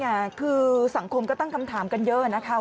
เนี่ยคือสังคมก็ตั้งคำถามกันเยอะนะคะ